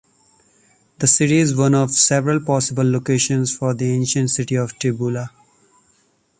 The city is one of several possible locations for the ancient city of Tibula.